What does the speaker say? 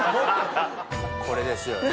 これですよね。